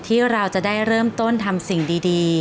ที่เราจะได้เริ่มต้นทำสิ่งดี